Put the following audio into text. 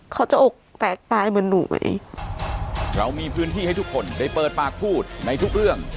อกแตกตายเหมือนหนูไหมเรามีพื้นที่ให้ทุกคนได้เปิดปากพูดในทุกเรื่อง